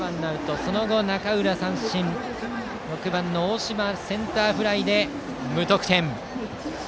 スイング、中浦が三振６番の大島、センターフライで無得点。